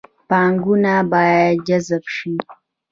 پانګونه باید جذب شي